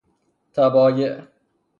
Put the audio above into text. تبایع